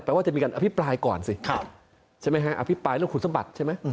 ว่าจะมีการอภิปรายก่อนสิใช่ไหมฮะอภิปรายเรื่องคุณสมบัติใช่ไหม